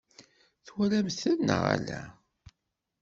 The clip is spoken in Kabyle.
Twalamt-ten neɣ ala?